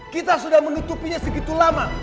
kita sudah menutupinya segitu lama